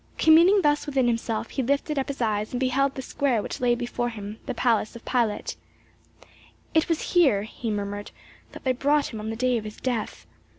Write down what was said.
Communing thus within himself he lifted up his eyes and beheld the square which lay before the palace of Pilate. "It was here," he murmured, "that they brought him on the day of his death.